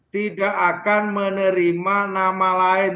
tidak akan menerima nama lain